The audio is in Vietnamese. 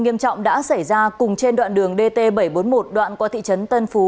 nghiêm trọng đã xảy ra cùng trên đoạn đường dt bảy trăm bốn mươi một đoạn qua thị trấn tân phú